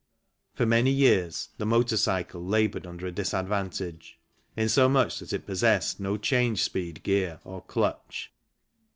For many years the motor cycle laboured under a disadvantage, in so much that it possessed no change speed gear or clutch.